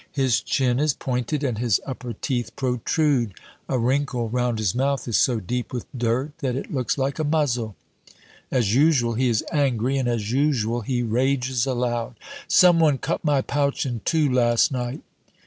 His chin is pointed, and his upper teeth protrude. A wrinkle round his mouth is so deep with dirt that it looks like a muzzle. As usual, he is angry, and as usual, he rages aloud. "Some one cut my pouch in two last night!"